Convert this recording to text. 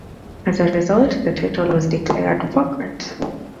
As a result, the title was declared vacant.